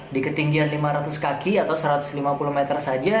di ketinggian lima ratus kaki atau satu ratus lima puluh meter saja